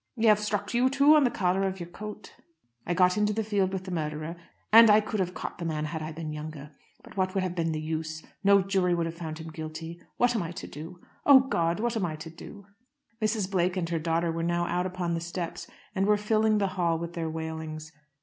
"They have struck you too on the collar of your coat." "I got into the field with the murderer, and I could have caught the man had I been younger. But what would have been the use? No jury would have found him guilty. What am I to do? Oh, God! what am I to do?" Mrs. Blake and her daughter were now out upon the steps, and were filling the hall with their wailings.